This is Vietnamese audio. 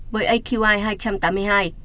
với aqi hai trăm tám mươi hai